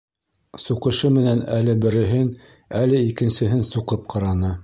Суҡышы менән әле береһен, әле икенсеһен суҡып ҡараны.